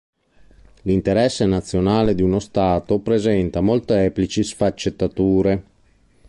L'interesse nazionale di uno Stato presenta molteplici sfaccettature.